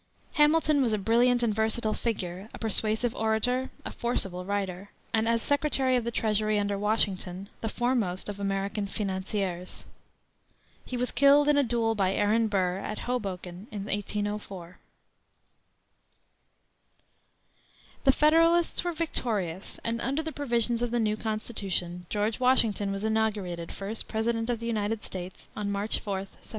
Hamilton was a brilliant and versatile figure, a persuasive orator, a forcible writer, and as Secretary of the Treasury under Washington the foremost of American financiers. He was killed, in a duel, by Aaron Burr, at Hoboken, in 1804. The Federalists were victorious, and under the provisions of the new Constitution George Washington was inaugurated first President of the United States, on March 4, 1789.